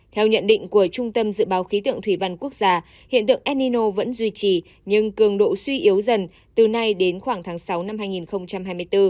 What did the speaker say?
theo nhận định của trung tâm dự báo khí tượng thủy văn quốc gia hiện tượng enino vẫn duy trì nhưng cường độ suy yếu dần từ nay đến khoảng tháng sáu năm hai nghìn hai mươi bốn